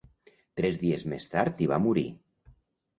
Tres dies més tard hi va morir.